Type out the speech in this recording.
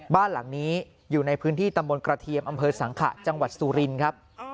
บ้านหลังนี้อยู่ในพื้นที่ตำบลกระเทียมอำเภอสังขะจังหวัดสุรินครับ